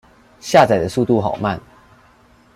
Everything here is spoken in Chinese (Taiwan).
下載的速度好慢